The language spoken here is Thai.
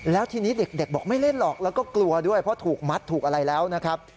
แล้วทีนี้เด็กบอกไม่เล่นหรอกแล้วก็กลัวด้วยเพราะถูกมัดถูกอะไรแล้วนะครับ